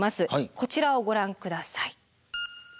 こちらをご覧ください。